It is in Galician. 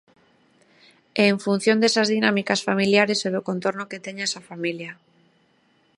E en función desas dinámicas familiares e do contorno que teña esa familia.